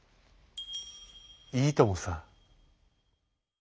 「いいともさ」。